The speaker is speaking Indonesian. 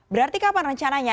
berarti kapan rencananya